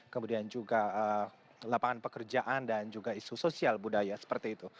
kemudian juga lapangan pekerjaan dan juga isu sosial budaya seperti itu